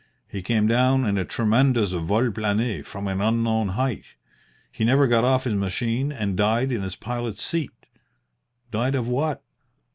He came down in a tremendous vol plane from an unknown height. He never got off his machine and died in his pilot's seat. Died of what?